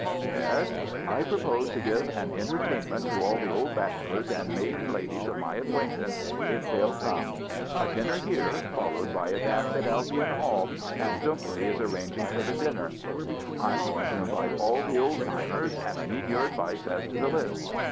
"" Yes. I propose to give an entertainment to all the old bachelors and maiden ladies of my acquaintance, if they'll come. A dinner here followed by a dance at Albion Hall, and Dunklee is arranging for the dinner. I'm 3 34 THE BACHELOR'S CHRISTMAS going to invite all the old timers, and I need your advice as to the list.